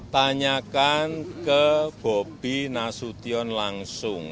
tanyakan ke bobi nasution langsung